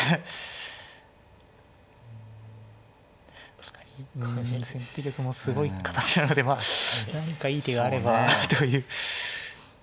確かにこれも先手玉もすごい形なのでまあ何かいい手があればという。